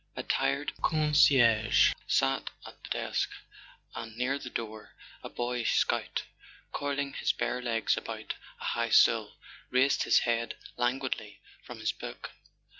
A tired concierge sat at the desk, and near the door a boy scout, coiling his bare legs about a high stool, raised his head languidly from his book.